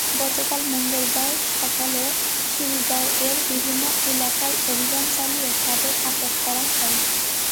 গতকাল মঙ্গলবার সকালে খিলগাঁওয়ের বিভিন্ন এলাকায় অভিযান চালিয়ে তাঁদের আটক করা হয়।